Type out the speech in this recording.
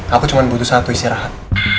aku cuma butuh satu istirahat